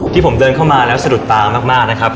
ที่ผมเดินเข้ามาแล้วสะดุดตามากนะครับ